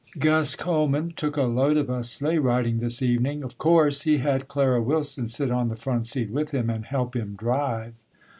Gus Coleman took a load of us sleigh riding this evening. Of course he had Clara Willson sit on the front seat with him and help him drive.